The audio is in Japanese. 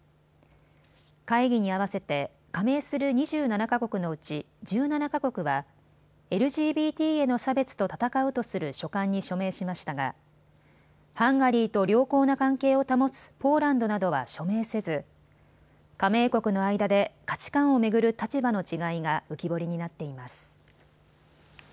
会議に合わせて加盟する２７か国のうち１７か国はＬＧＢＴへの差別と闘うとする書簡に署名しましたがハンガリーと良好な関係を保つポーランドなどは署名せず、加盟国の間で価値観を巡る立場の違いが浮き彫りになっています。